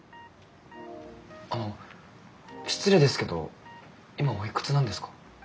あの失礼ですけど今おいくつなんですか？